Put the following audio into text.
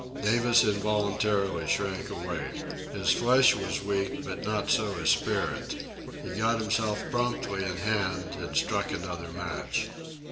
Davis involuntarily shrank away. His flesh was weak, but not so his spirit. He got himself promptly in hand and struck another match.